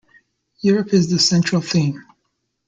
Europe is the central theme.